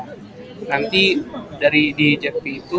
nanti dari di jp itu